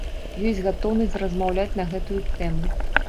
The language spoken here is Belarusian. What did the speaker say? Ёсць гатоўнасць размаўляць на гэтую тэму.